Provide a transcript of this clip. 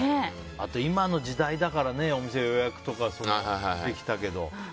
あと今の時代だからお店予約とかできたけど。